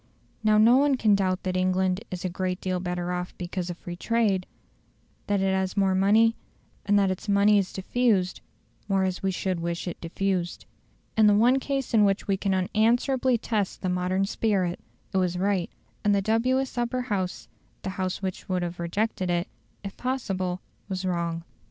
Now no one can doubt that England is a great deal better off because of free trade; that it has more money, and that its money is diffused more as we should wish it diffused. In the one case in which we can unanswerably test the modern spirit, it was right, and the dubious Upper House the House which would have rejected it, if possible was wrong.